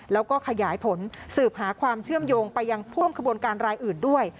แล้วก็ขยายผลสืบหาความเชื่อมโยงไปยังพ่วงขบวนการรายอื่นด้วย